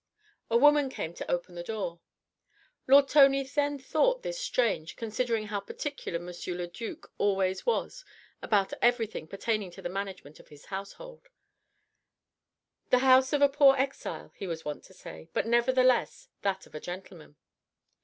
A woman came to open the door. Lord Tony then thought this strange considering how particular M. le duc always was about everything pertaining to the management of his household: "The house of a poor exile," he was wont to say, "but nevertheless that of a gentleman."